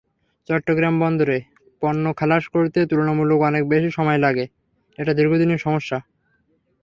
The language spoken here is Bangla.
চট্টগ্রাম বন্দরে পণ্য খালাস করতে তুলনামূলক অনেক বেশি সময় লাগে—এটা দীর্ঘদিনের সমস্যা।